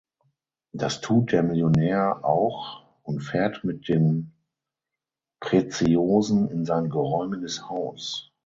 Das tut der Millionär auch und fährt mit den Preziosen in sein geräumiges Haus.